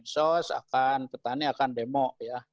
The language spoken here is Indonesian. sos akan petani akan demo ya